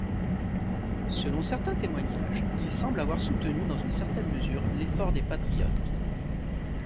Selon certains témoignages, il semble avoir soutenu dans une certaine mesure l'effort des Patriotes.